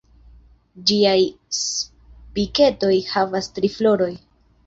Ĝiaj Spiketoj havas tri floroj.